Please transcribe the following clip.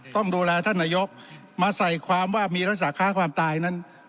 ต้องดูแลท่านนายกมาใส่ความว่ามีรักษาค้าความตายนั้น